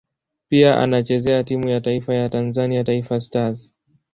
Pia anachezea timu ya taifa ya Tanzania Taifa Stars.